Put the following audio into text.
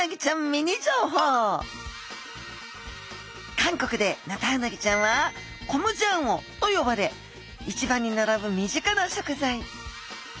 韓国でヌタウナギちゃんはコムジャンオと呼ばれ市場にならぶ身近な食材。